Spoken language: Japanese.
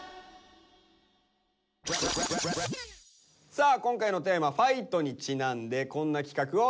さあ今回のテーマ「ファイト」にちなんでこんな企画を用意しました。